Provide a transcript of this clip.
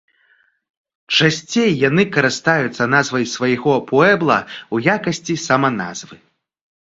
Часцей яны карыстаюцца назвай свайго пуэбла ў якасці саманазвы.